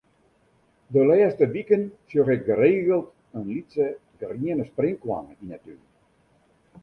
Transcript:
De lêste wiken sjoch ik geregeld in lytse griene sprinkhoanne yn 'e tún.